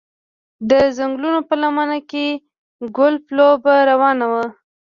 د ځنګلونو په لمنه کې ګلف لوبه روانه وه